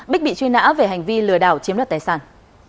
bích bị truy nã về hành vi lừa đảo chiếm đoạt tài sản